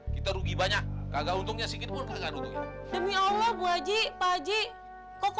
kita rugi banyak kagak untungnya sigit pun kagak untung demi allah bu aji pak haji kok